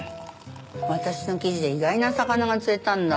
私の記事で意外な魚が釣れたんだ。